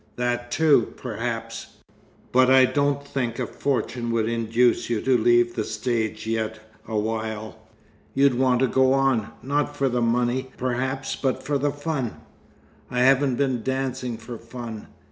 "That too, perhaps but I don't think a fortune would induce you to leave the stage yet a while. You'd want to go on, not for the money perhaps, but for the fun." "I haven't been dancing for fun."